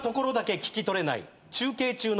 聞き取れないな。